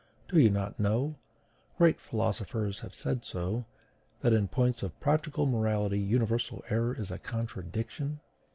Do you not know (great philosophers have said so) that in points of practical morality universal error is a contradiction?